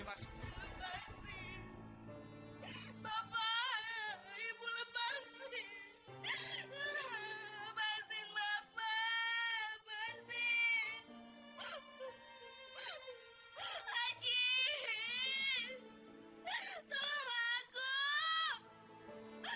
lepasin bapak lepasin